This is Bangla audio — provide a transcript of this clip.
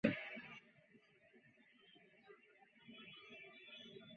রক্ষণাবেক্ষণের অভাবে দুর্গটির বর্তমান অবস্থা বেশ শোচনীয়।